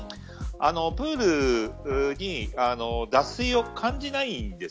プールでは脱水を感じないんです。